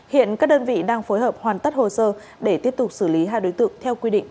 hiện các đơn vị đang phối hợp hoàn tất hồ sơ để tiếp tục xử lý hai đối tượng theo quy định